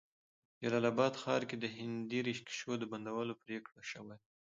جلال آباد ښار کې د هندي ريکشو د بندولو پريکړه شوې